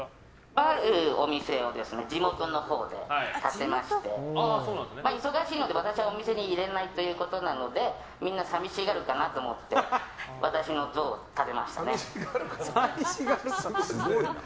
あるお店を地元のほうで建てまして忙しいので私はお店にいれないということなのでみんな寂しがるかなと思って私の像を建てましたね。